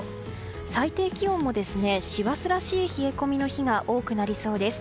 最低気温も師走らしい冷え込みの日が多くなりそうです。